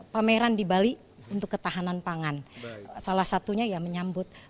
pameran di bali untuk ketahanan pangan salah satunya ya menyambut